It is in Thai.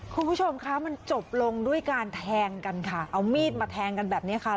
คุณผู้ชมคะมันจบลงด้วยการแทงกันค่ะเอามีดมาแทงกันแบบนี้ค่ะ